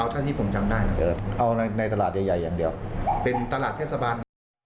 เท่าที่ผมจำได้เหมือนเดิมเอาในตลาดใหญ่อย่างเดียวเป็นตลาดเทศบาล